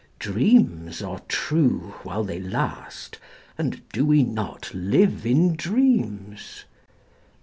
Dreams are true while they last, and do we not live in dreams?